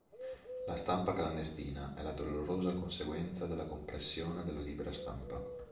La stampa clandestina è la dolorosa conseguenza della compressione della libera stampa".